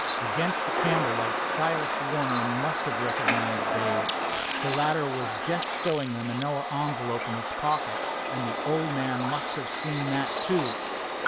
Against the candle light, Silas Warner must have recognized Dave. The latter was just stowing the manilla envelope in his pocket, and the old man must have seen that, too.